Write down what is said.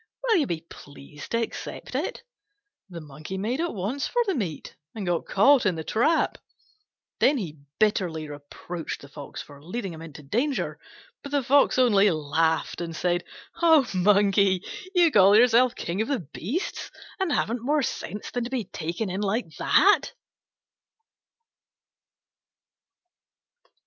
Will you be pleased to accept it?" The Monkey made at once for the meat and got caught in the trap. Then he bitterly reproached the Fox for leading him into danger; but the Fox only laughed and said, "O Monkey, you call yourself King of the Beasts and haven't more sense than to be taken in like that!"